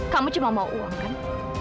kamu cuma mau uang kan